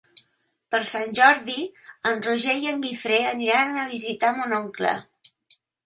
Per Sant Jordi en Roger i en Guifré aniran a visitar mon oncle.